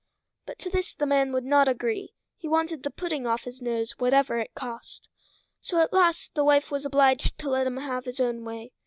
But to this the man would not agree. He wanted the pudding off his nose whatever it cost. So at last the wife was obliged to let him have his own way.